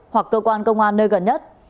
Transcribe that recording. hoặc cơ quan công an nơi gần nhất